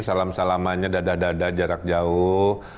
salam salamannya dadah dadah jarak jauh